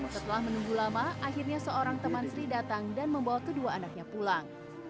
setelah menunggu lama akhirnya seorang teman sri datang dan membawa kedua anaknya pulang